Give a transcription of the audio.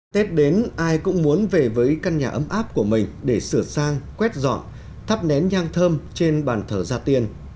tết đến ai cũng muốn về với căn nhà ấm áp của mình để sửa sang quét dọn thắp nén nhang thơm trên bàn thờ gia tiên